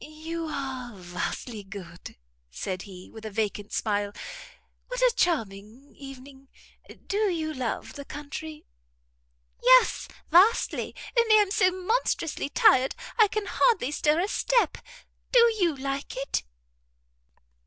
"You are vastly good," said he, with a vacant smile; "what a charming evening! Do you love the country?" "Yes, vastly; only I'm so monstrously tired, I can hardly stir a step. Do you like it?"